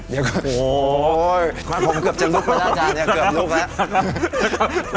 โหยภาพภพมันเกือบจะลุกมาแล้วจันจะเกือบลุกละ